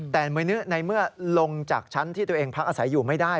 แต่ในเมื่อลงจากชั้นที่ตัวเองพักอาศัยอยู่ไม่ได้